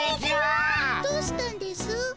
どうしたんですぅ？